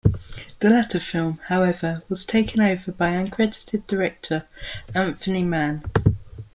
The latter film, however, was taken over by uncredited director Anthony Mann.